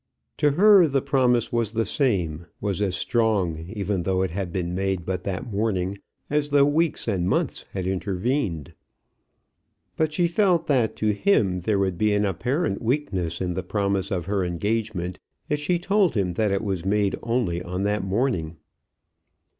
To her the promise was the same, was as strong, even though it had been made but that morning, as though weeks and months had intervened. But she felt that to him there would be an apparent weakness in the promise of her engagement, if she told him that it was made only on that morning.